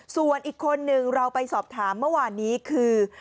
ส่วนอีกคนนึงเราไปสอบถามเมื่อวานนี้คือ